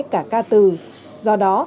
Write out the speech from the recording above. cả ca từ do đó